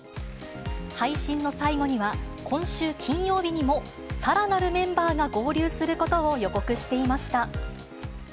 配信の最後には、今週金曜日にも、さらなるメンバーが合流することを予告していました。